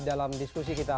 dalam diskusi kita